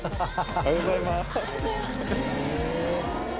おはようございます。